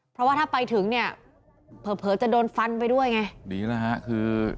เพราะว่าถ้าไปถึงเนี่ยเผลอเผลอจะโดนฟันไปด้วยไงดีแล้วฮะคือ